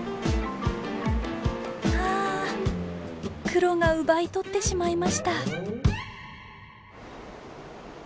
クロが奪い取ってしまいました。